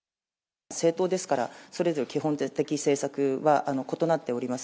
政党ですから、それぞれ基本的政策は異なっております。